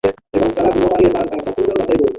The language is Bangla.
কিন্ত বিধি বাম।